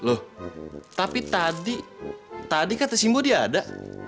loh tapi tadi kata simbo dia ada